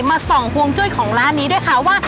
มาส่องห่วงจุ้ยของร้านนี้ด้วยค่ะว่า